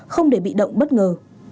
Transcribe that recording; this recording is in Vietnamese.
không để bị động bất ngờ